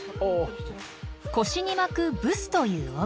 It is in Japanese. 腰に巻くブスという帯。